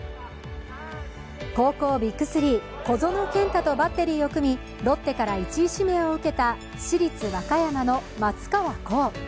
高校ＢＩＧ３、小園健太とバッテリーを組みロッテから１位指名を受けた市立和歌山の松川虎生。